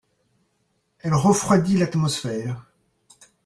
elle refroidit l'atmosphère.